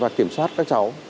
và kiểm soát các cháu